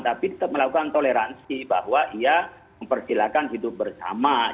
tapi tetap melakukan toleransi bahwa ia mempersilahkan hidup bersama